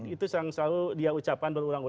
itu selalu dia ucapkan